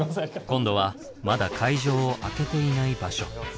今度はまだ会場を開けていない場所。